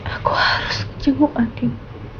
aku harus cenguk andin